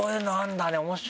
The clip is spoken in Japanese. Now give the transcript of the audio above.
面白いね。